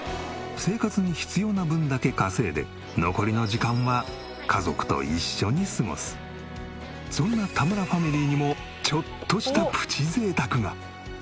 生活に必要な分だけ稼いで残りの時間はそんな田村ファミリーにもちょっとしたプチ贅沢が。